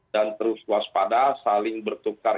dan terus waspada saling bertukar